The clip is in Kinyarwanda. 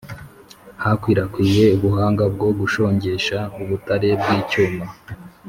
Hakwirakwiye ubuhanga bwo gushongesha ubutare bw icyuma